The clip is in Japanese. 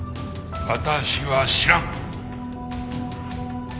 私は知らん！